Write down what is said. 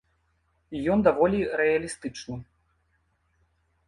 І ён даволі рэалістычны.